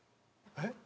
えっ？